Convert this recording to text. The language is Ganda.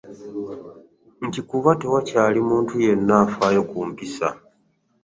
Nti kuba tewakyali muntu yenna afaayo ku mpisa